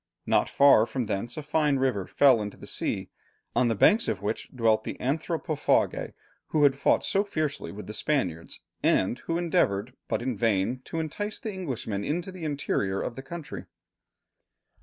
Not far from thence a fine river fell into the sea, on the banks of which dwelt the anthropophagi who had fought so fiercely with the Spaniards, and who endeavoured, but in vain, to entice the Englishmen into the interior of the country.